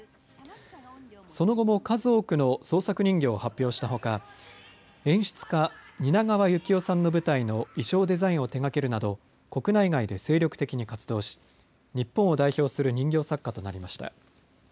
その後も数多くの創作人形を発表したほか演出家、蜷川幸雄さんの舞台の衣装デザインを手がけるなど国内外で精力的に活動し日本を代表する人形作家となりました。